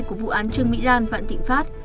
của vụ án trương mỹ lan vạn tịnh phát